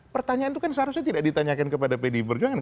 pertanyaan itu kan seharusnya tidak ditanyakan kepada pdi perjuangan